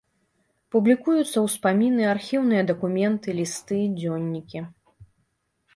Публікуюцца ўспаміны, архіўныя дакументы, лісты, дзённікі.